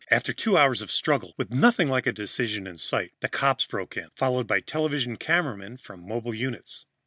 After two hours of struggle, with nothing like a decision in sight, the cops broke in, followed by television cameramen from mobile units.